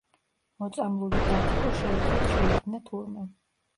მოწამლული დათიკო შეუძლოდ შეიქმნა თურმე.